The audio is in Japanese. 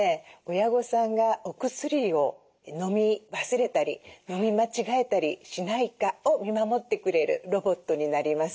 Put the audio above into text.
親御さんがお薬をのみ忘れたりのみ間違えたりしないかを見守ってくれるロボットになります。